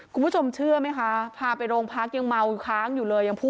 คุณผู้ชมเชื่อมั้ยค่ะพาไปโรงพักยังเบาค้างอยู่เลย